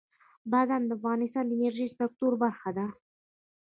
بادام د افغانستان د انرژۍ سکتور برخه ده.